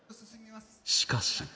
しかし。